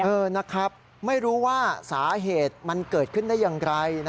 นะครับไม่รู้ว่าสาเหตุมันเกิดขึ้นได้อย่างไร